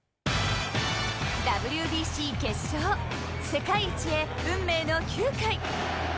ＷＢＣ決勝世界一へ運命の９回。